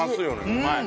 うまい。